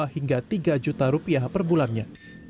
dua hingga tiga juta rupiah per bulannya